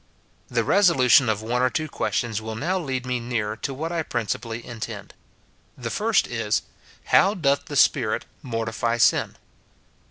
The resolution of one or two questions will now lead me nearer to what I principally intend. The first is, Hotv doth the Spirit mortify sin